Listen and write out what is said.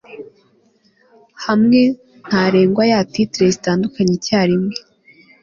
hamwe ntarengwa ya titre zitandukanye icyarimwe